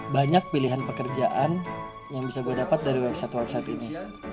banyak pilihan pekerjaan yang bisa gue dapat dari website website ini